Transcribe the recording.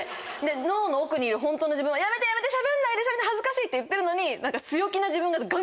脳の奥にいるホントの自分はやめてやめてしゃべんないで恥ずかしいって言ってるのに。